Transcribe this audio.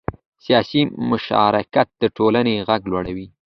سیاسي مشارکت د ټولنې غږ لوړوي